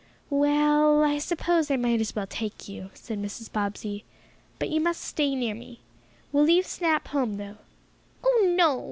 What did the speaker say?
"Well, I suppose I might as well take you," said Mrs. Bobbsey. "But you must stay near me. We'll leave Snap home, though." "Oh, no!"